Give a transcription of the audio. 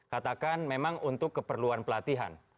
katakan memang untuk keperluan pelatihan